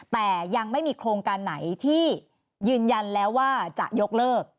แต่ยังไม่มีโครงการไหนที่ยืนยันแล้วว่าจะยกเลิก